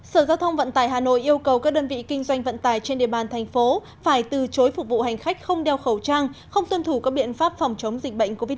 sở giao thông vận tải hà nội yêu cầu các đơn vị kinh doanh vận tải trên địa bàn thành phố phải từ chối phục vụ hành khách không đeo khẩu trang không tuân thủ các biện pháp phòng chống dịch bệnh covid một mươi chín